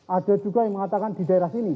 ada juga yang mengatakan di daerah sini